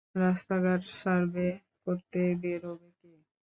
রাস্তাঘাট সার্ভে করতে বেরোবে কে।